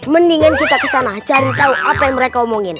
mendingan kita kesana cari tau apa yang mereka omongin